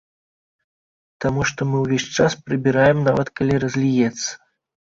Таму што мы ўвесь час прыбіраем, нават калі разліецца.